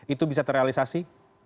itu bisa terrealisasi